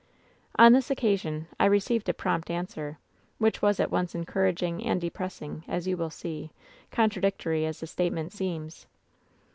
"On this occasion I received a prompt answer, which was at once encouraging and depressing, as you will see, contradictory as the statement seems.